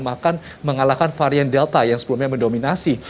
bahkan mengalahkan varian delta yang sebelumnya mendominasi